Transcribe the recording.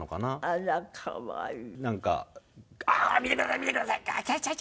あら可愛い。